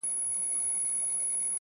o له نیکانو سره ظلم دی جفا ده ,